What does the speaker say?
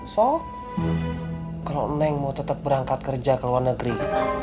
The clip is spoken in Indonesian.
so kalau neng mau tetap berangkat kerja ke luar negeri